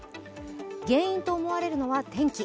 原因と思われるのは天気。